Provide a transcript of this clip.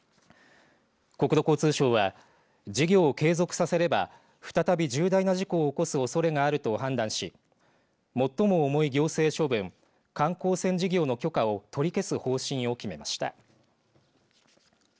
国土交通省は事業を継続させれば再び重大な事故を起こすおそれがあると判断し最も重い行政処分観光船事業の許可を取り消す方針を決めました。